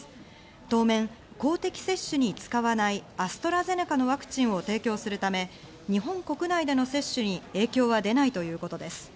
当面、公的接種に使わないアストラゼネカのワクチンを提供するため、日本国内での接種に影響は出ないということです。